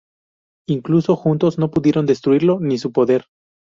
Incluso juntos, no pudieron destruirlo ni su poder.